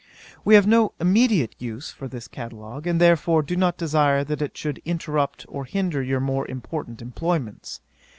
'We have no immediate use for this catalogue, and therefore do not desire that it should interrupt or hinder your more important employments.